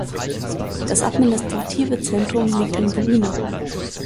Das administrative Zentrum liegt in Bryne.